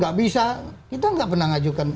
kita nggak pernah ngajukan